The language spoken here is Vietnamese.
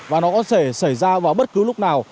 và nó có thể xảy ra vào bất cứ lúc nào